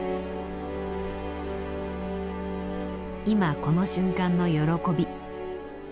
今この瞬間の喜び。